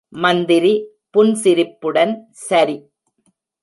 மந்திரி புன்சிரிப்புடன், சரி.